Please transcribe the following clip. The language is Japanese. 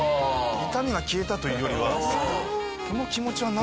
痛みが消えたというよりは。